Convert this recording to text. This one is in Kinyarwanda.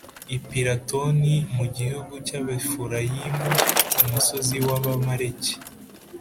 i Piratoni mu gihugu cy Abefurayimu ku musozi w Abamaleki